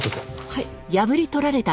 はい。